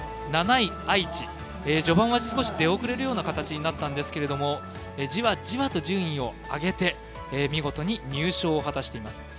７位、愛知、序盤は少し出遅れるような形になったんですけれどもじわじわと順位を上げて見事に入賞を果たしています。